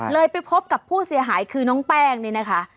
ไปพบกับผู้เสียหายคือน้องแป้งนี่นะคะ